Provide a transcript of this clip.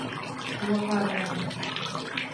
هو غادرنا.